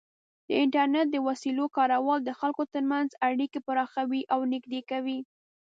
د انټرنیټ د وسایلو کارول د خلکو ترمنځ اړیکې پراخوي او نږدې کوي.